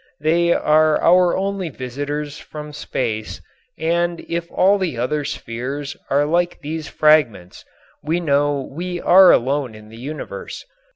They are our only visitors from space, and if all the other spheres are like these fragments we know we are alone in the universe.